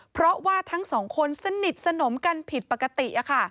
เพราะว่าทั้งสองคนสนิทสนมกันผิดปกติ